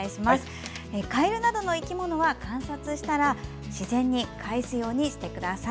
カエルなどの生き物は観察したら自然にかえすようにしてください。